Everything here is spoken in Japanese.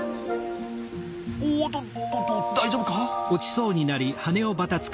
おとっとと大丈夫か？